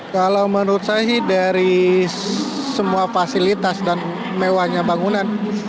kalau menurut saya sih dari semua fasilitas dan mewahnya bangunan